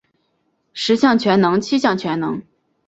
十项全能七项全能